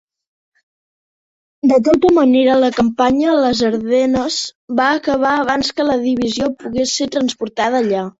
De tota manera, la campanya a les Ardenes va acabar abans que la divisió pogués ser transportada allà.